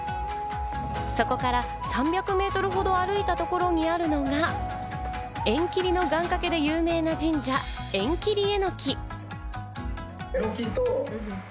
そこから３００メートルほど歩いたところにあるのが縁切りの願掛けで有名な神社・縁切榎。